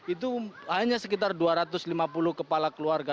itu hanya sekitar dua ratus lima puluh kepala keluarga